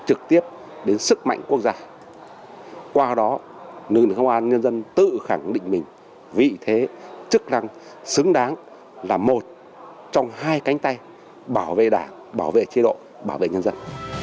trực tiếp đến sức mạnh quốc gia qua đó lực lượng công an nhân dân tự khẳng định mình vị thế chức năng xứng đáng là một trong hai cánh tay bảo vệ đảng bảo vệ chế độ bảo vệ nhân dân